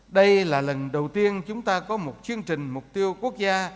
đây là lần đầu tiên chúng ta có một chương trình mục tiêu quốc gia